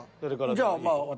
じゃあまあ私。